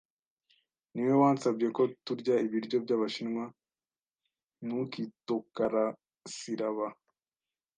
Niwowe wasabye ko turya ibiryo byabashinwa, ntukitokarasiraba.